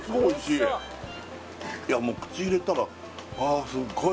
いやもう口入れたらああ